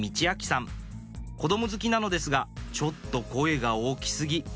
子供好きなのですがちょっと声が大き過ぎ